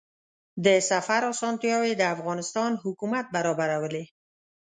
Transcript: د سفر اسانتیاوې د افغانستان حکومت برابرولې.